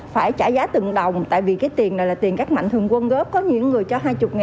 phải trả giá từng đồng tại vì cái tiền này là tiền các mạnh thường quân góp có những người cho hai mươi